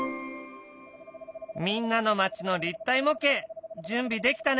みんなの町の立体模型準備できたね！